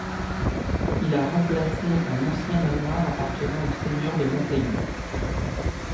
Il a remplacé un ancien manoir appartenant aux seigneurs de Montaigut.